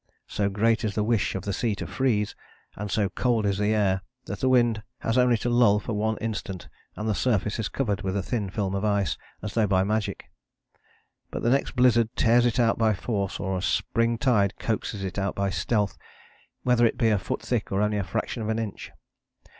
So great is the wish of the sea to freeze, and so cold is the air, that the wind has only to lull for one instant and the surface is covered with a thin film of ice, as though by magic. But the next blizzard tears it out by force or a spring tide coaxes it out by stealth, whether it be a foot thick or only a fraction of an inch.